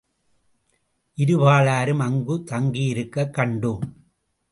இருபாலரும் அங்கு தங்கியிருக்கக் கண்டோம்.